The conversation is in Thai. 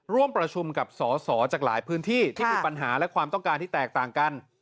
ร่วมประชุมกับสอสอจากหลายพื้นที่ที่มีปัญหาและความต้องการที่แตกต่างกัน